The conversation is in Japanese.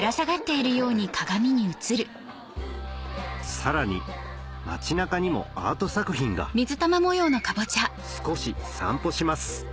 さらに街中にもアート作品が少し散歩します